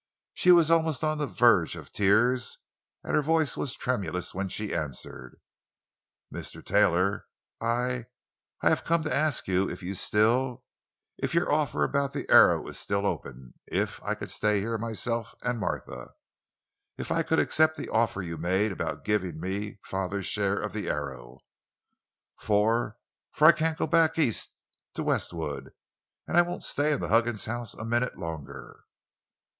She was almost on the verge of tears, and her voice was tremulous when she answered: "Mr. Taylor, I—I have come to ask if you—still—if your offer about the Arrow is still open—if—I could stay here—myself and Martha; if I could accept the offer you made about giving me father's share of the Arrow. For—for—I can't go back East—to Westwood, and I won't stay in the Huggins house a minute longer!"